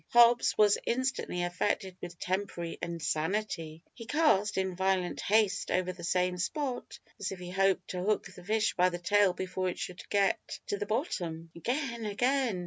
Hobbs was instantly affected with temporary insanity. He cast in violent haste over the same spot, as if he hoped to hook the fish by the tail before it should get to the bottom. Again! again!